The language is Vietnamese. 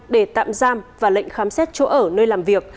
để tạm giam và lệnh khám xét chỗ ở nơi làm việc